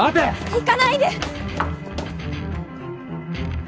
行かないで！